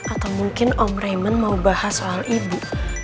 atau mungkin om reman mau bahas soal ibu